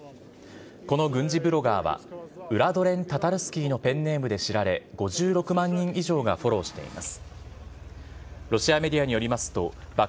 この軍事ブロガーは、ウラドレン・タタルスキーのペンネームで知られ、５６万人以上がフォローしています。